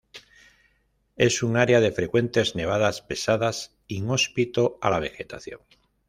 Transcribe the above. Es un área de frecuentes nevadas pesadas, inhóspito a la vegetación.